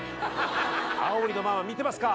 青森のママ見てますか？